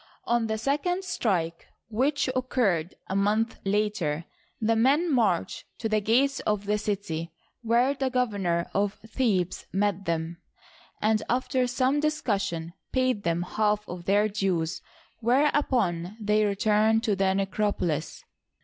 On the second strike, which occurred a month later, the men marched to the gates of the city, where the governor of Thebes met them, and after some discussion paid them half of their dues, whereupon they returned to the necropolis.